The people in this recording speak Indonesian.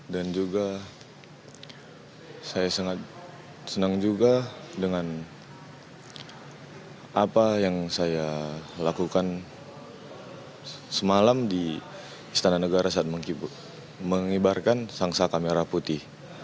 dan juga saya sangat senang juga dengan apa yang saya lakukan semalam di istana negara saat mengibarkan sang saka merah putih